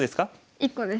１個です。